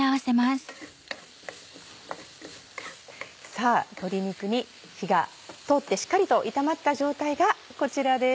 さぁ鶏肉に火が通ってしっかりと炒まった状態がこちらです。